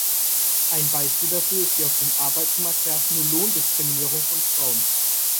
Ein Beispiel dafür ist die auf dem Arbeitsmarkt herrschende Lohndiskriminierung von Frauen.